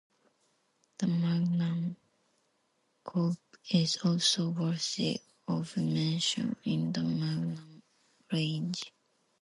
The Magnum coupe is also worthy of mention in the Magnum range.